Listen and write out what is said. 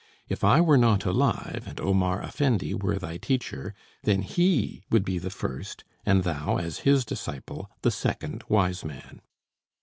If I were not alive, and Omar Effendi were thy teacher, then he would be the first, and thou, as his disciple, the second wise man!"